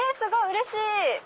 うれしい！